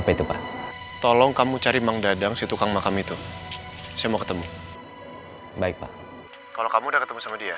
inclusionca hab cadang pasirant